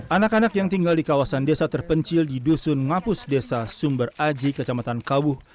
anak anak yang tinggal di kawasan desa terpencil di dusun ngapus desa sumber aji kecamatan kawuh